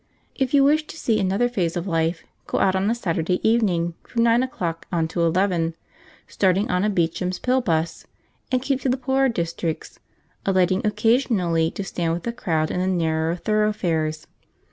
If you wish to see another phase of life, go out on a Saturday evening, from nine o'clock on to eleven, starting on a Beecham's Pill 'bus, and keep to the poorer districts, alighting occasionally to stand with the crowd in the narrower thoroughfares.